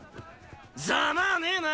ざまあねえな！